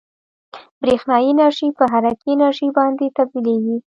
برېښنايي انرژي په حرکي انرژي باندې تبدیلیږي.